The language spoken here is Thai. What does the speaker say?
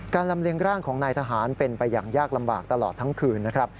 ลำเลียงร่างของนายทหารเป็นไปอย่างยากลำบากตลอดทั้งคืนนะครับ